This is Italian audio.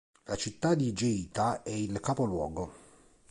La città di Geita è il capoluogo.